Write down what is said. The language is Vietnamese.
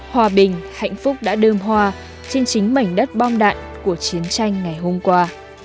hòa bình hạnh phúc đã đơm hoa trên chính mảnh đất bom đạn của chiến tranh ngày hôm qua